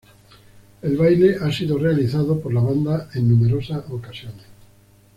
El baile ha sido realizado por la banda en numerosas ocasiones.